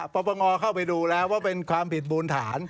ปปงเข้าไปดูแล้วว่าเป็นความผิดมูลฐาน